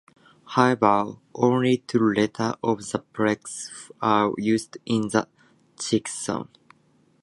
However, only two letters of the prefix are used in the checksum.